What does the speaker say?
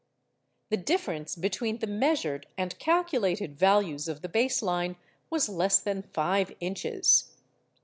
_The difference between the measured and calculated values of the base line was less than five inches!